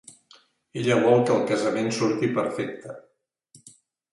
Ella vol que el casament surti perfecta.